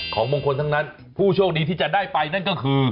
ของมงคลทั้งนั้นผู้โชคดีที่จะได้ไปนั่นก็คือ